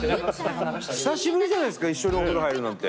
久しぶりじゃないですか一緒にお風呂入るなんて。